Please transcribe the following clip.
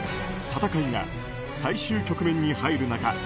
戦いが最終局面に入る中